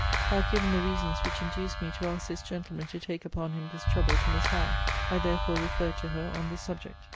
I have given the reasons which induced me to ask this gentleman to take upon him this trouble to Miss Howe. I therefore refer to her on this subject.